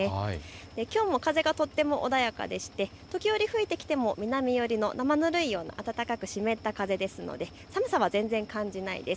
きょうも風がとっても穏やかで時折吹いてきても南寄りのなまぬるいような暖かく湿った風ですので寒さは感じないです。